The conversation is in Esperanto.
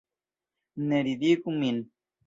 Ne ridigu min!